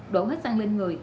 đổ hết xăng lên người